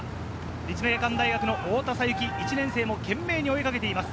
立命館大学の太田咲雪、１年生も懸命に追いかけています。